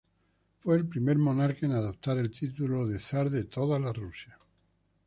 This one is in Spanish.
Fue el primer monarca en adoptar el título de "Zar de todas las Rusias".